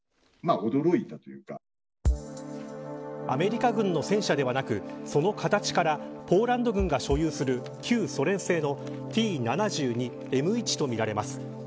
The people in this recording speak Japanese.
アメリカ軍の戦車ではなくその形からポーランド軍が所有する旧ソ連製のＴ‐７２Ｍ１とみられます。